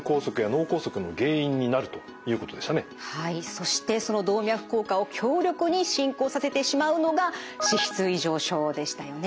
そしてその動脈硬化を強力に進行させてしまうのが脂質異常症でしたよね。